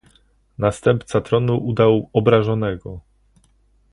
"Następca tronu udał obrażonego."